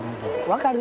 分かる？